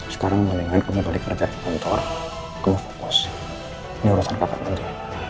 sekarang mendingan kamu balik kerja di kantor kamu fokus di urusan kakak nanti